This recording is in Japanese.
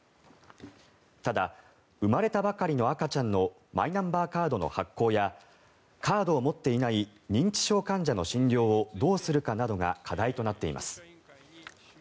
ただ、生まれたばかりの赤ちゃんのマイナンバーカードの発行やカードを持っていない認知症患者の診療をどうするかなどが課題となっています。